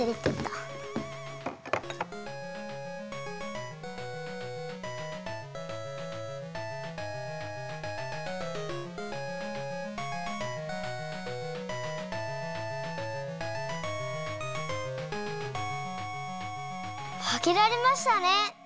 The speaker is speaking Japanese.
わけられましたね！